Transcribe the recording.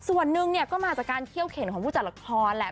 ส่วนหนึ่งเนี่ยก็มาจากการเขี้ยวเข็นของผู้จัดละครแหละ